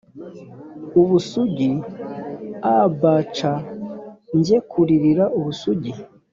ubusugi abc njye kuririra ubusugi